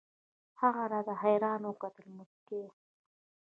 هغه راته حيران وكتل موسكى سو.